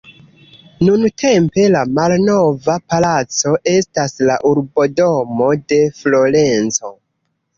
Nuntempe la "Malnova Palaco" estas la urbodomo de Florenco.